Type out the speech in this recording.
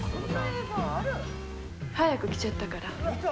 早く来ちゃったから。